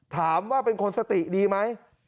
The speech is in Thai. ถามว่าเป็นคนสติดีไหม